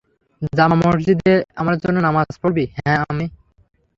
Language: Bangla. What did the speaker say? জামা মসজিদে আমার জন্য নামাজ পরবি - হ্যাঁ, আম্মি।